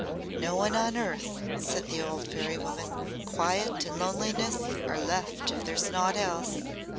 "No one on earth," said the old fairy woman. "Quiet and loneliness are left if there's naught else."